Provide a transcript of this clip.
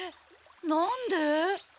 なんで？